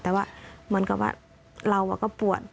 แต่ว่ามันก็ว่าเราก็ปวด